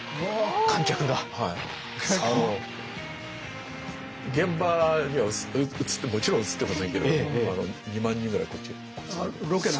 あの現場にはもちろん映ってませんけれども２万人ぐらいこっち。